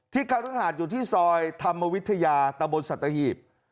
ที่เครือหาดอยู่ที่ซอยธรรมวิทยาตะบนสัตว์หีบ